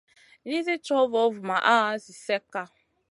Nizi cow vovumaʼa zi slekka.